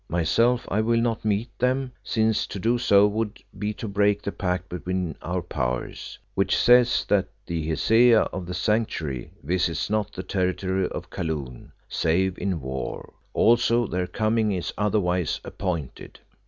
Myself I will not meet them, since to do so would be to break the pact between our powers, which says that the Hesea of the Sanctuary visits not the territory of Kaloon, save in war. Also their coming is otherwise appointed."